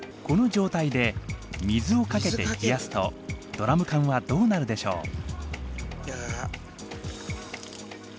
この状態で水をかけて冷やすとドラム缶はどうなるでしょう？